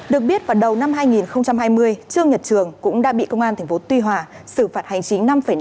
được biết vào đầu năm hai nghìn hai mươi trương nhật trường cũng đã bị công an tp tuy hòa xử phạt hành chính năm năm